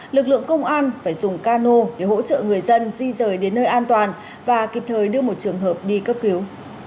lực lượng công an phải dùng cano để hỗ trợ người dân di rời đến nơi an toàn và kịp thời đưa một trường hợp đi cấp cứu